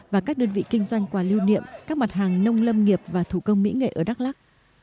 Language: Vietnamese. và các đơn vị kinh doanh quà lưu niệm các mặt hàng nông lâm nghiệp và thủ công mỹ nghệ ở đắk lắc